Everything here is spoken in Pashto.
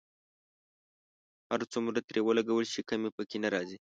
هر څومره ترې ولګول شي کمی په کې نه راځي.